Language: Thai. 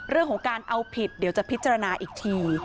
เรื่องของการเอาผิดเดี๋ยวจะพิจารณาอีกที